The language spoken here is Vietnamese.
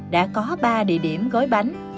đã có ba địa điểm gói bánh